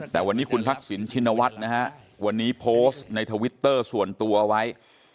แต่วันนี้คุณทักษิณชินวัฒน์นะฮะวันนี้โพสต์ในทวิตเตอร์ส่วนตัวเอาไว้